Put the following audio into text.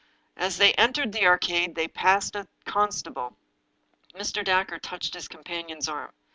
As they entered the Arcade they passed a con stable. Mr. Dacre touched his companion's arm.